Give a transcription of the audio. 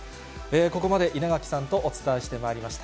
ここまで稲垣さんとお伝えしてまいりました。